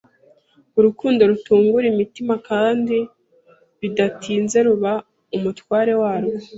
Urukundo rutungura imitima, kandi bidatinze ruba umutware waryo